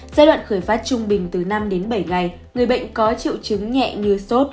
giai đoạn khởi phát trung bình từ năm đến bảy ngày người bệnh có triệu chứng nhẹ như sốt